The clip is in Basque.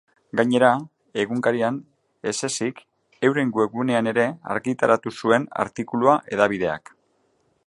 Gainera, egunkarian ez ezik, euren webgunean ere argitaratu zuen artikulua hedabideak.